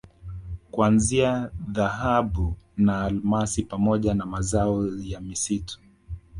kuanzia Dhahabu na Almasi pamoja na mazao ya misitu